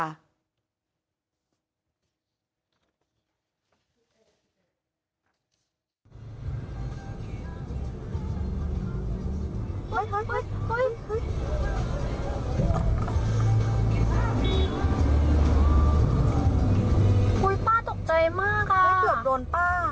ป้าตกใจมากค่ะทำไมรถเมชน์ทำอย่างนี้